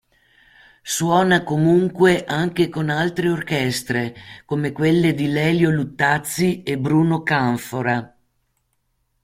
Suona comunque anche con altre orchestre, come quelle di Lelio Luttazzi e Bruno Canfora.